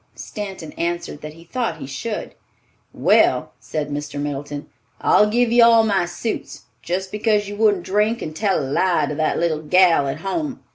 Stanton answered that he thought he should. "Well," said Mr. Middleton, "I'll give you all my suits, just because you wouldn't drink and tell a lie to that little gal at home.